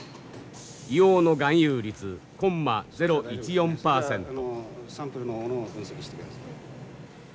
硫黄の含有率コンマ０１４パーセント。